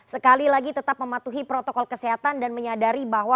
sekali lagi tetap mematuhi protokol kesehatan dan menyadari bahwa